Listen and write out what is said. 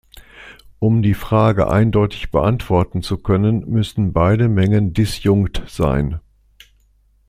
Um die Frage eindeutig beantworten zu können, müssen beide Mengen disjunkt sein.